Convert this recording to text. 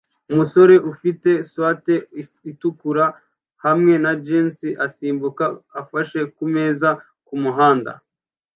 Umusore ufite swater itukura hamwe na jans asimbuka afashe kumeza kumuhanda